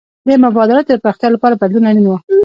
د مبادلاتو د پراختیا لپاره بدلون اړین و.